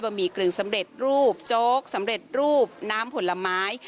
หมี่กึ่งสำเร็จรูปโจ๊กสำเร็จรูปน้ำผลไม้